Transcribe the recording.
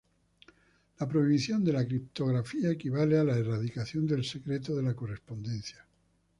La prohibición de la criptografía equivale a la erradicación del secreto de la correspondencia.